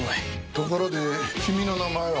ところで君の名前は？